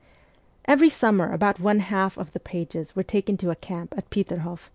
' Every summer about one half of the pages were taken to a camp at Peterhof.